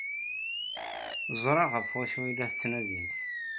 Ẓriɣ ɣef wacu ay la tettnadimt.